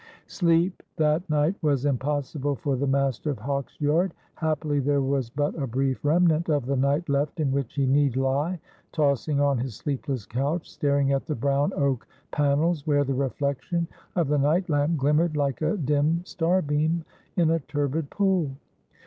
Sleep that night was impossible for the master of Hawksyard. Happily there was but a brief remnant of the night left in which he need lie tossing on his sleepless couch, staring at the brown oak panels, where the reflection of the night lamp glimmered like a dim starbeam in a turbid pool.